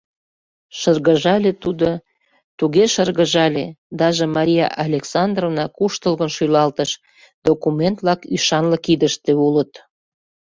— шыргыжале тудо, туге шыргыжале, даже Мария Александровна куштылгын шӱлалтыш: документ-влак ӱшанле кидыште улыт.